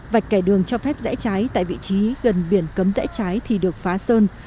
vạch kẻ đường cho phép rẽ trái tại vị trí gần biển cấm rẽ trái thì được phá sơn